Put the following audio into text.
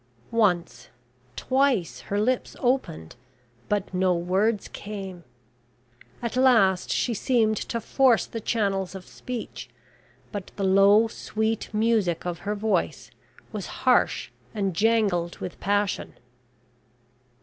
Once, twice, her lips opened, but no words came. At last she seemed to force the channels of speech, but the low sweet music of her voice was harsh and jangled with passion.